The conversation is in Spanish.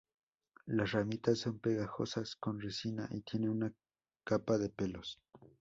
Las ramitas son pegajosas con resina y tienen una capa de pelos.